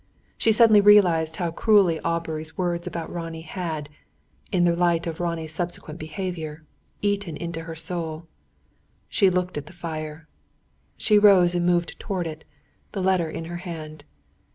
She suddenly realised how cruelly Aubrey's words about Ronnie had, in the light of Ronnie's subsequent behaviour, eaten into her soul. She looked at the fire. She rose and moved towards it, the letter in her hand.